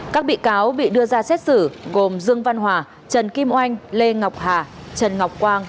các bị cáo bị đưa ra xét xử gồm dương văn hòa trần kim oanh lê ngọc hà trần ngọc quang